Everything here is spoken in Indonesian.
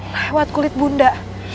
lewat kulit bunda